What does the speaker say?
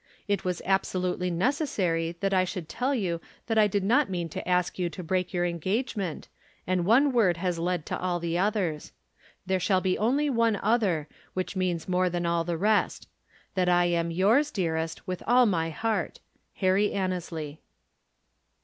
It was absolutely necessary that I should tell you that I did not mean to ask you to break your engagement, and one word has led to all the others. There shall be only one other, which means more than all the rest: that I am yours, dearest, with all my heart, "HARRY ANNESLEY."